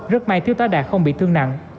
rất may thiếu tá đạt không bị thương nặng